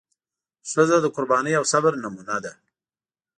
ښځه د قربانۍ او صبر نمونه ده.